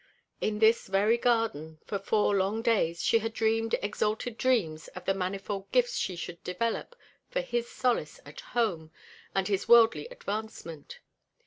In this very garden, for four long days, she had dreamed exalted dreams of the manifold gifts she should develop for his solace at home and his worldly advancement.